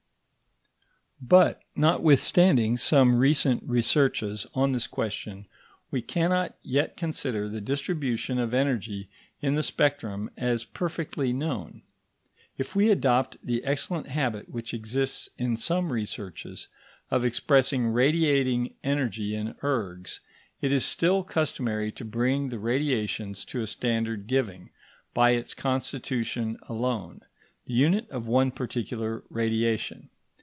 But, notwithstanding some recent researches on this question, we cannot yet consider the distribution of energy in the spectrum as perfectly known. If we adopt the excellent habit which exists in some researches of expressing radiating energy in ergs, it is still customary to bring the radiations to a standard giving, by its constitution alone, the unit of one particular radiation.